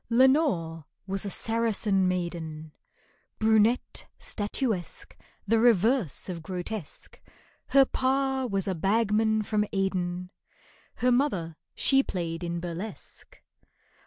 LENORE was a Saracen maiden, Brunette, statuesque, The reverse of grotesque, Her pa was a bagman from Aden, Her mother she played in burlesque.